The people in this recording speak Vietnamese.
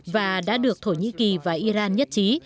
và đã được thổ nhĩ kỳ và iran nhất trí